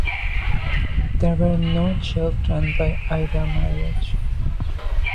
There were no children by either marriage.